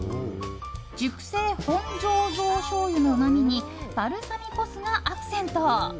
熟成本醸造しょうゆのうまみにバルサミコ酢がアクセント。